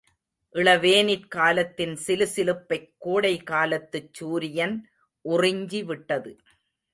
இளவேனிற் காலத்தின் சிலுசிலுப்பைக் கோடைகாலத்துச் சூரியன் உறிஞ்சிவிட்டது.